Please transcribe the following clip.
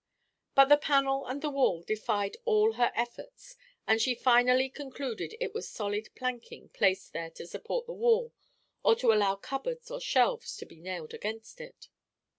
But the panel and the wall defied all her efforts and she finally concluded it was solid planking placed there to support the wall or to allow cupboards or shelves to be nailed against it.